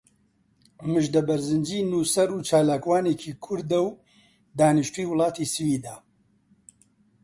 مژدە بەرزنجی نووسەر و چالاکوانێکی کوردە و دانیشتووی وڵاتی سویدە.